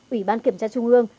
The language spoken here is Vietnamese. ủy ban kiểm tra trung ương